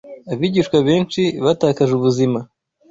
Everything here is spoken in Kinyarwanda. Abigishwa benshi batakaje ubuzima